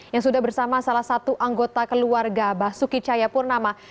yang sudah bersama salah satu anggota keluarga basuki cahayapurnama